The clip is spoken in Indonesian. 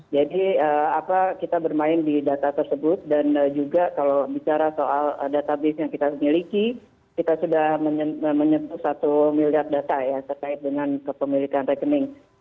jadi kita bermain di data tersebut dan juga kalau bicara soal database yang kita miliki kita sudah menyentuh satu miliar data ya terkait dengan kepemilikan rekening